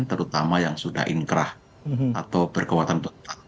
terutama yang sudah inkrah atau berkeuatan betul